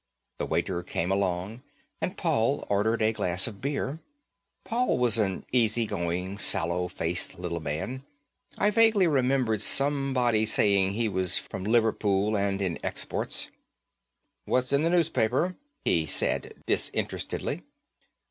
The waiter came along and Paul ordered a glass of beer. Paul was an easy going, sallow faced little man. I vaguely remembered somebody saying he was from Liverpool and in exports. "What's in the newspaper?" he said, disinterestedly.